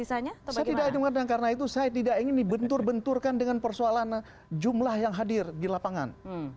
saya tidak ingin mengatakan karena itu saya tidak ingin dibentur benturkan dengan persoalan jumlah yang hadir di lapangan